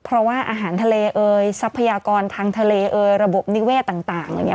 เพราะว่าอาหารทะเลเอ่ยทรัพยากรทางทะเลเอยระบบนิเวศต่าง